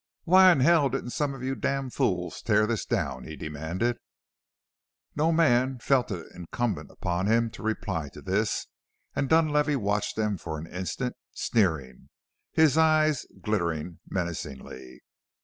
"Why in hell didn't some of you damned fools tear this down?" he demanded. No man felt it incumbent upon him to reply to this and Dunlavey watched them for an instant, sneering, his eyes glittering menacingly.